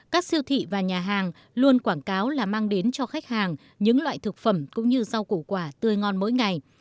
các siêu thị và nhà hàng luôn quảng cáo là mang đến cho khách hàng những loại thực phẩm cũng như rau củ quả tươi ngon mỗi ngày